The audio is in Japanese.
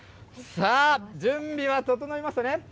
さあ、準備は整いましたね。